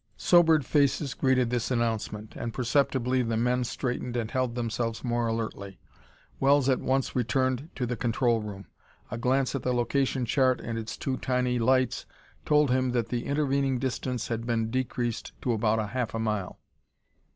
Sobered faces greeted this announcement, and perceptibly the men straightened and held themselves more alertly. Wells at once returned to the control room. A glance at the location chart and its two tiny lights told him that the intervening distance had been decreased to about half a mile.